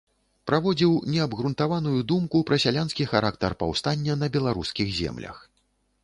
Праводзіў неабгрунтаваную думку пра сялянскі характар паўстання на беларускіх землях.